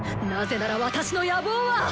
なぜなら私の野望は！